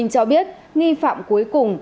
cho biết nghi phạm cuối cùng